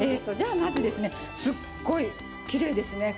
まず、すっごいきれいですね、葛。